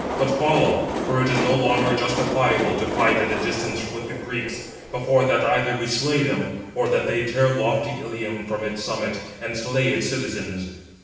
But follow; for it is no longer justifiable to fight at a distance with the Greeks, before that either we slay them, or that they tear lofty Ilium from its summit, and slay its citizens."